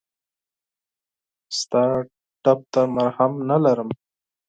ستا ټپ ته مرهم نه لرم !